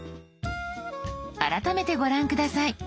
改めてご覧下さい。